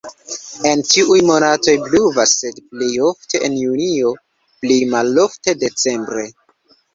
En ĉiuj monatoj pluvas, sed plej ofte en junio, plej malofte decembre.